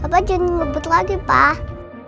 papa janji ngebet lagi pak